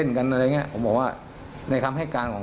สของมัน